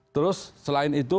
terus selain itu